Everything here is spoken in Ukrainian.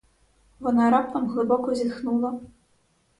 Вона раптом глибоко зітхнула.